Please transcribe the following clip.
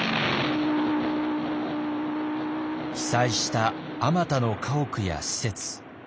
被災したあまたの家屋や施設。